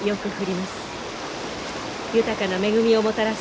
豊かな恵みをもたらす